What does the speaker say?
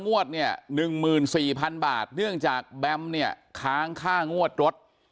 งวดเนี่ย๑๔๐๐๐บาทเนื่องจากแบมเนี่ยค้างค่างวดรถ